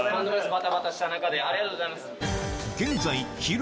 バタバタした中でありがとうございます。